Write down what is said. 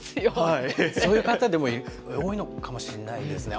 そういう方、でも多いかもしれない。